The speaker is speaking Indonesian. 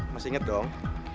masih inget dong